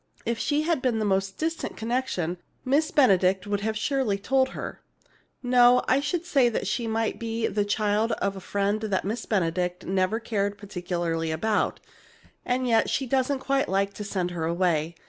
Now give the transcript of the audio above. If she had been the most distant connection, Miss Benedict would surely have told her. No, I should say she might be the child of a friend that Miss Benedict never cared particularly about, and yet she doesn't quite like to send her away.